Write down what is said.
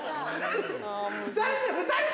２人で、２人で。